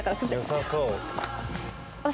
良さそう。